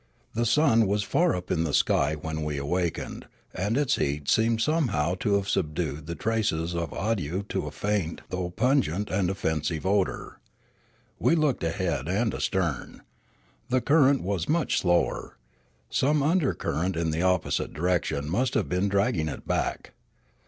The sun was far up the sky when we awakened, and its heat seemed some how to have subdued the traces of Awdyoo to a faint, though pungent and offensive, odour. We looked ahead and astern. The current was much slower ; some undercurrent in the opposite direction must have been dragging it back.